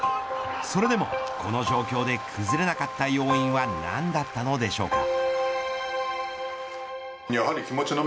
それでもこの状況で崩れなかった要因は何だったのでしょうか。